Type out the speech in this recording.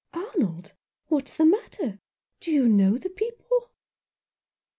" Arnold ! what's the matter ? Do you know the people